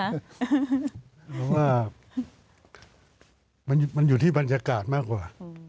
เพราะว่ามันอยู่ที่บรรยากาศมากกว่า